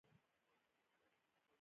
د ټولو انسانانو په زړه کې ده.